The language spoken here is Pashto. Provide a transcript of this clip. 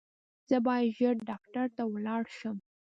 زه باید ژر ډاکټر ته ولاړ شم